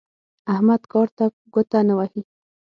احمد کار ته ګوته نه وهي.